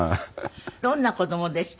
どんな子どもでした？